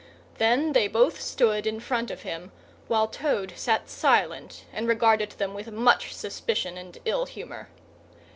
Then they both stood in front of him, while Toad sat silent and regarded them with much suspicion and ill humour.